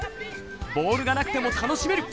ボールがなくても楽しめる！